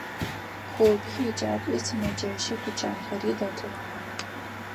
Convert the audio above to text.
Клуби, еджапӏи, сымэджэщи, тучанхэри дэтых.